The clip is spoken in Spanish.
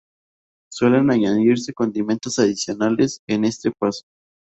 Suelen añadirse condimentos adicionales en este paso.